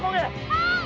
はい！